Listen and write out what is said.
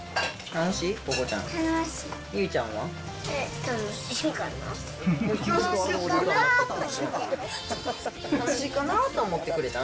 楽しいかなと思ってくれた？